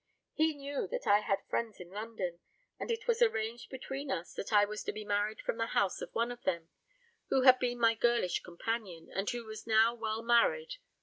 He knew that I had friends in London, and it was arranged between us that I was to be married from the house of one of them, who had been my girlish companion, and who was now well married.